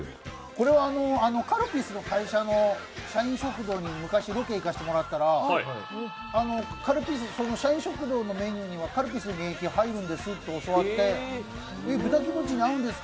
カルピスの会社の社員食堂に昔ロケ行かせてもらったら社員食堂のメニューにはカルピスの原液が入るんですよと教わって、豚キムチないんですか？